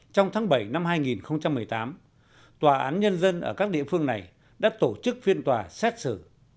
trong tháng bảy năm hai nghìn một mươi tám tòa án nhân dân ở các địa phương này đã tổ chức phiên tòa xét xử